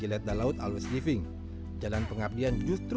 dan menjadi pimpinan yang bijak